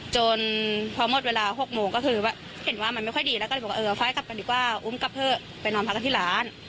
จนพอหมดเวลาหกโมงก็จะเห็นว่ามันไม่ค่อยดีอุ้มกลับเถอะไปนอนพักกันที่ร้าน